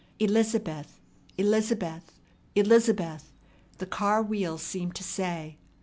"Elizabeth, Elizabeth, Elizabeth!" the car wheels seemed to say.